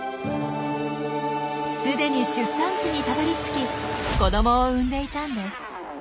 すでに出産地にたどりつき子どもを産んでいたんです。